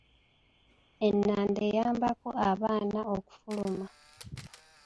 Ennanda eyambako abaana okufuluma.